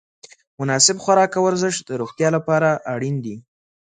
مناسب خوراک او ورزش د روغتیا لپاره اړین دي.